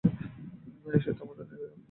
সে তো আমাদের নিয়ে উপহাস করছে না।